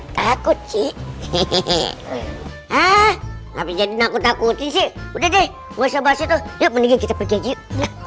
takut sih hehehe hah tapi jadi takut takut sih udah deh gak usah bahas itu ya mendingan kita pergi yuk